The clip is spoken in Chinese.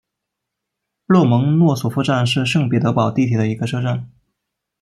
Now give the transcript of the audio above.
洛蒙诺索夫站是圣彼得堡地铁的一个车站。